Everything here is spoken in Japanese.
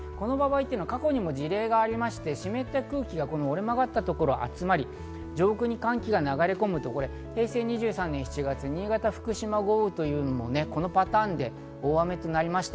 過去にも事例がありまして、湿った空気が折れ曲がったところに集まり、上空に寒気が流れ込むと、平成２３年７月新潟・福島豪雨のパターンで、大雨となりました。